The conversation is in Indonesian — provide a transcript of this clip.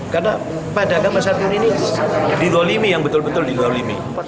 karena pedagang pasar turi ini dilolimi yang betul betul dilolimi